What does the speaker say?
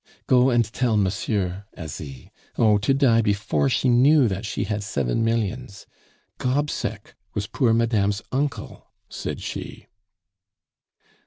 "Go and tell monsieur, Asie! Oh, to die before she knew that she had seven millions! Gobseck was poor madame's uncle!" said she.